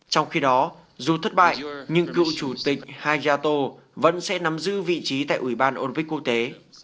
trong khi đó dù thất bại nhưng cựu chủ tịch hayato vẫn sẽ nắm giữ vị trí tại ủy ban ôn vích quốc tế